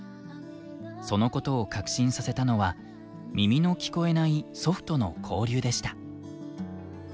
そのことを確信させたのは耳の聞こえない祖父との交流でした。